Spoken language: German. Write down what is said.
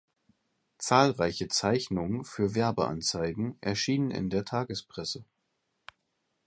Zahlreiche Zeichnungen für Werbeanzeigen erschienen in der Tagespresse.